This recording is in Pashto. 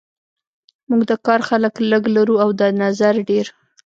موږ د کار خلک لږ لرو او د نظر ډیر